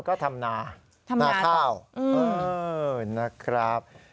ก็ทำหน้าข้าว